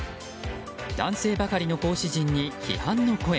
男性ばかりの講師陣に批判の声。